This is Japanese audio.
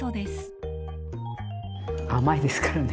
甘いですからね。